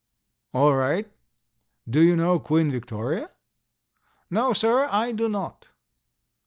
"All right. Do you know Queen Victoria?" "No, sir; I do not."